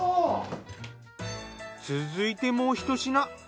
続いてもう１品。